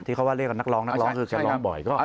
ที่เขาว่าเรียกกับนักร้องนักร้องคือแกร้องบ่อย